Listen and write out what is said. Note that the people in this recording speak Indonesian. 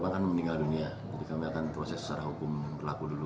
korban meninggal dunia jadi kami akan proses secara hukum terlaku dulu